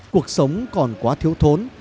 cuộc sống còn quá thiếu thốn